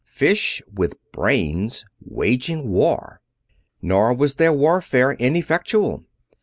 Fish with brains, waging war! Nor was their warfare ineffectual.